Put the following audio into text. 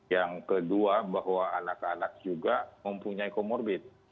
yang kedua bahwa anak anak juga mempunyai comorbid